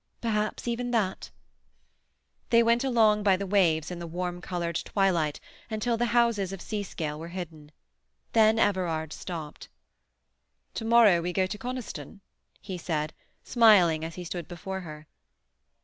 "Perhaps even that." They went along by the waves, in the warm coloured twilight, until the houses of Seascale were hidden. Then Everard stopped. "To morrow we go to Coniston?" he said, smiling as he stood before her.